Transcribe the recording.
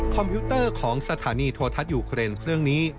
พิวเตอร์ของสถานีโทรทัศน์ยูเครนเครื่องนี้